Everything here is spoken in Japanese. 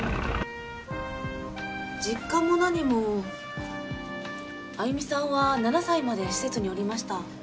実家も何も歩美さんは７歳まで施設におりました。